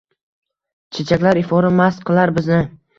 Chechaklar ifori mast qilar bizni